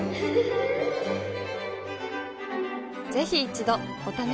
ぜひ一度お試しを。